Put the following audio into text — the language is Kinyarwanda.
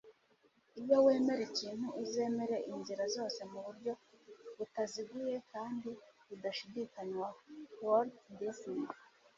iyo wemera ikintu, uzemere inzira zose, mu buryo butaziguye kandi budashidikanywaho. - walt disney